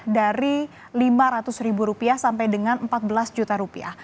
dari lima ratus ribu rupiah sampai dengan empat belas juta rupiah